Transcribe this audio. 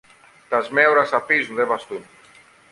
Τα σμέουρα σαπίζουν, δε βαστούν!